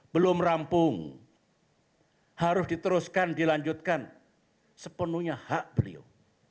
belum rampung harus diteruskan dilanjutkan sepenuhnya hak beliau